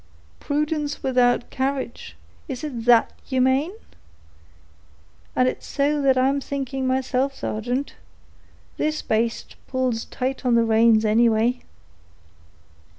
"Prudence without courage: is it that you mane?—and it's so that I'm thinking myself, sargeant. This baste pulls tight on the reins, any way."